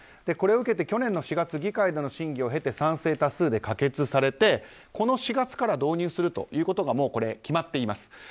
これを受けて去年の４月議会での審議を経て賛成多数で可決されてこの４月から導入することが決まっています。